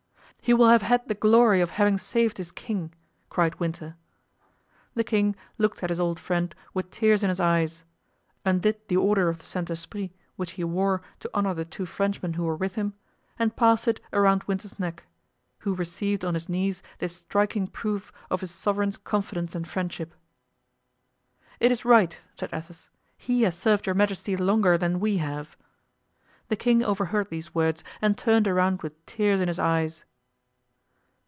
"He will have had the glory of having saved his king," cried Winter. The king looked at his old friend with tears in his eyes; undid the Order of the Saint Esprit which he wore, to honor the two Frenchmen who were with him, and passed it around Winter's neck, who received on his knees this striking proof of his sovereign's confidence and friendship. "It is right," said Athos; "he has served your majesty longer than we have." The king overheard these words and turned around with tears in his eyes.